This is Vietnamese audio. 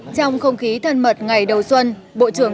trong không khí thân mật ngày đầu xuân bộ trưởng tô lâm đã vui mừng